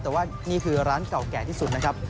แต่ว่านี่คือร้านเก่าแก่ที่สุดนะครับ